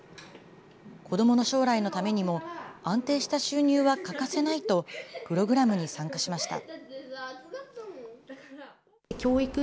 子どもの将来のためにも、安定した収入は欠かせないと、プログラムに参加しました。